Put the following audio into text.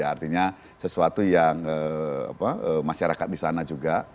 artinya sesuatu yang masyarakat di sana juga